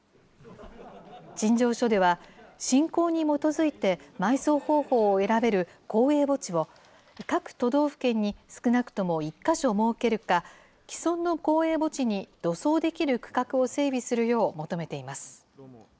陳情書では信仰に基づいて、埋葬方法を選べる公営墓地を、各都道府県に少なくとも１か所設けるか、既存の公営墓地に土葬できる区画を整備するよう求めています。